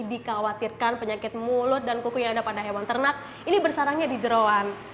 dikhawatirkan penyakit mulut dan kuku yang ada pada hewan ternak ini bersarangnya di jerawan